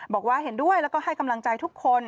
บอกว่าเห็นด้วยแล้วก็ให้กำลังใจทุกคน